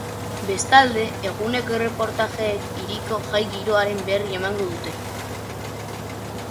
Bestalde, eguneko erreportajeek hiriko jai-giroaren berri emango dute.